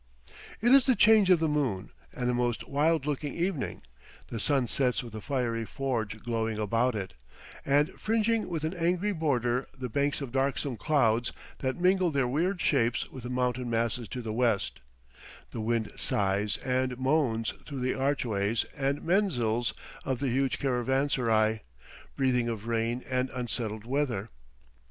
It is the change of the moon, and a most wild looking evening; the sun sets with a fiery forge glowing about it, and fringing with an angry border the banks of darksome clouds that mingle their weird shapes with the mountain masses to the west, the wind sighs and moans through the archways and menzils of the huge caravanserai, breathing of rain and unsettled weather.